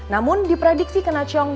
namun diprediksi kena cong